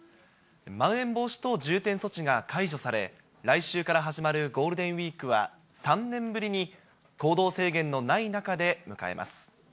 まん延防止等重点措置が解除され、来週から始まるゴールデンウィークは、３年ぶりに行動制限のない中で迎えます。